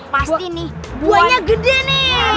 pasti nih buahnya gede nih